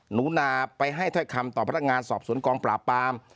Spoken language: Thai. หนูนาไปให้ถ้อยคำต่อพัฒนางานสอบศูนย์กองปลาปาม